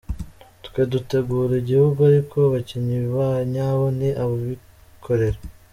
Twe dutegura igihugu ariko abakinnyi ba nyabo ni abikorera.